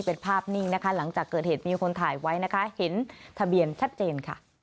เป็นภาพนิ่งหลังจากเกิดเหตุมีคนถ่ายไว้เห็นทะเบียนชัดเจน